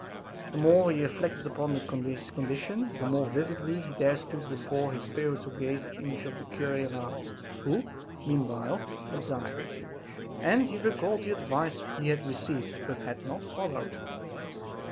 The more he reflected upon his condition the more vividly there stood before his spiritual gaze the image of the cure of Ars (who, meanwhile, had died), and he recalled the advice he had received but had not followed.